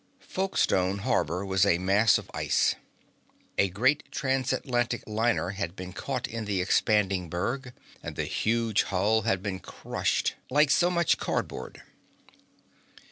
Folkestone harbor was a mass of ice. A great transatlantic liner had been caught in the expanding berg, and the huge hull had been crushed like so much cardboard.